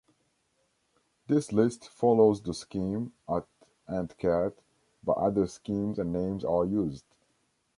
This list follows the scheme at AntCat, but other schemes and names are used.